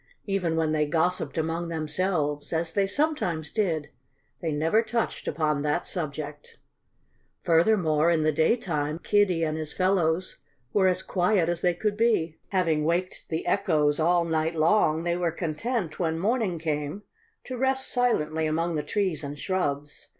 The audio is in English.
Even when they gossiped among themselves, as they sometimes did, they never touched upon that subject. Furthermore, in the daytime Kiddie and his fellows were as quiet as they could be. Having waked the echoes all night long, they were content, when morning came, to rest silently among the trees and shrubs.